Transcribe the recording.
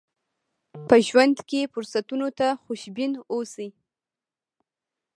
په ژوند کې فرصتونو ته خوشبين اوسئ.